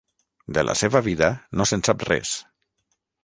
De la seva vida no se'n sap res.